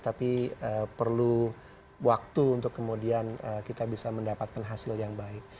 tapi perlu waktu untuk kemudian kita bisa mendapatkan hasil yang baik